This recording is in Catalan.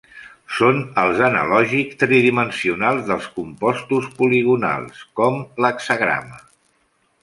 Són els analògics tridimensionals dels compostos poligonals, com l'hexagrama.